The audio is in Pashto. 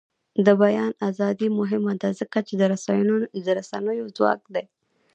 د بیان ازادي مهمه ده ځکه چې د رسنیو ځواک دی.